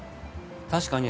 確かに。